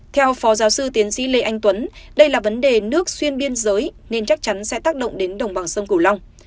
theo phó giáo sư tiến sĩ lê anh tuấn đây là vấn đề nước xuyên biên giới nên chắc chắn sẽ tác động đến đồng bằng sông cửu long